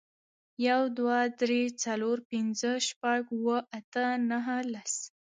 یو, دوه, درې, څلور, پنځه, شپږ, اووه, اته, نه, لس